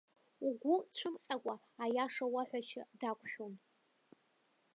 Угәы цәымҟьакәа аиаша уаҳәашьа дақәшәон.